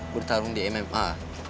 bertarung di mma